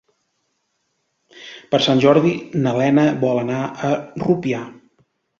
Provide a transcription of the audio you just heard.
Per Sant Jordi na Lena vol anar a Rupià.